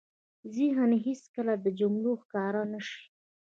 ذهن يې هېڅ کله د جمود ښکار نه شي.